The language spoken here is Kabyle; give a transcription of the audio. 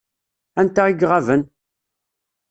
Anta i iɣaben?